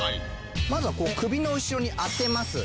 まずはこう首の後ろに当てます。